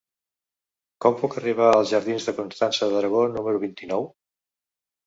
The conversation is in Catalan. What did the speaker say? Com puc arribar als jardins de Constança d'Aragó número vint-i-nou?